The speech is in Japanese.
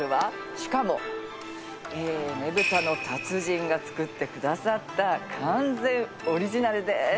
しかもねぶたの達人が作ってくださった完全オリジナルです。